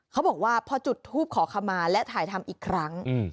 เขาบอกว่าพอจุดทูปขอขมาและถ่ายทำอีกครั้ง